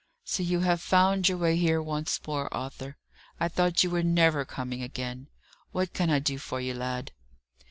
"So you have found your way here once more, Arthur! I thought you were never coming again. What can I do for you, lad?"